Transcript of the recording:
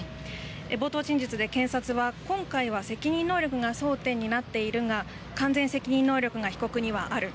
冒頭陳述で検察は今回は責任能力が争点になっているが、完全責任能力が被告にはある。